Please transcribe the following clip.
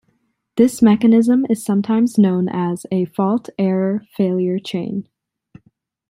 This mechanism is sometimes known as a Fault-Error-Failure chain.